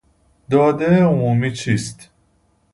دادهٔ عمومی چیست؟